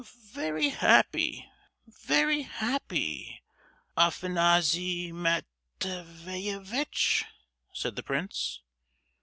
"Very happy, very happy—Afanassy Mat—veyevitch!" said the prince.